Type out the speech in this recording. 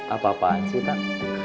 apa apaan sih tak